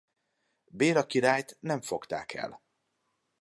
Béla királyt nem fogták el.